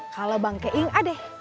kalau bang keing ada